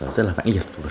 rất là mạnh nhiệt